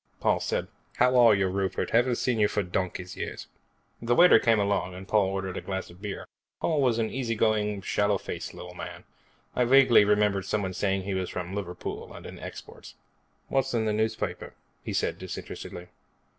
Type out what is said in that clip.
Paul said, "How are you, Rupert? Haven't seen you for donkey's years." The waiter came along and Paul ordered a glass of beer. Paul was an easy going, sallow faced little man. I vaguely remembered somebody saying he was from Liverpool and in exports. "What's in the newspaper?" he said, disinterestedly.